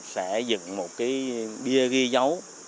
sẽ dựng một cái bia ghi dấu